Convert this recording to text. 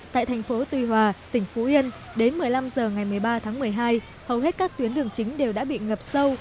tại thành phố tuy hòa tỉnh phú yên đến một mươi năm h ngày một mươi ba tháng một mươi hai hầu hết các tuyến đường chính đều đã bị ngập sâu